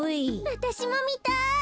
わたしもみたい。